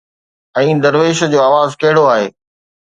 ۽ درويش جو آواز ڪهڙو آهي